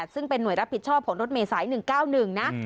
ซึ่งเป็นห่วยรับผิดชอบของรถเมษาย๑๙๑นะ